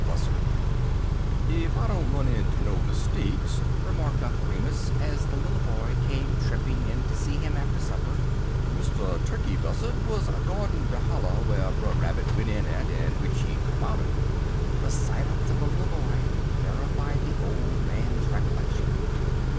BUZZARD "EF I don't run inter no mistakes," remarked Uncle Remus, as the little boy came tripping in to see him after supper, "Mr. Tukkey Buzzard wuz gyardin' de holler whar Brer Rabbit went in at, en w'ich he come out un." The silence of the little boy verified the old man's recollection.